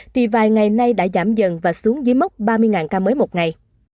thì vài ngày nay đã giảm dần và xuống dưới mốc ba mươi ca mới một ngày